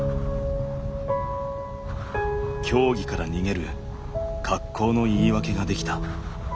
競技から逃げる格好の言い訳ができた。